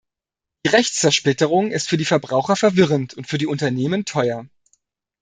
Diese Rechtszersplitterung ist für die Verbraucher verwirrend und für die Unternehmen teuer.